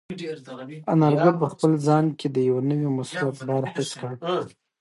انارګل په خپل ځان کې د یو نوي مسولیت بار حس کړ.